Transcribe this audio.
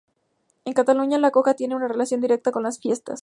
En Cataluña, la coca tiene una relación directa con las fiestas.